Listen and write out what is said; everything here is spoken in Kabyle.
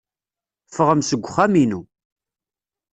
Ffɣem seg uxxam-inu.